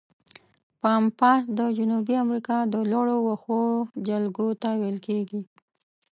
پامپاس د جنوبي امریکا د لوړو وښو جلګو ته ویل کیږي.